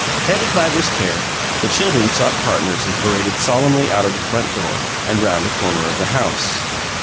Headed by this pair, the children sought partners and paraded solemnly out of the front door and round a corner of the house.